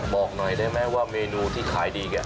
บอกหน่อยได้ไหมว่าเมนูที่ขายดีเนี่ย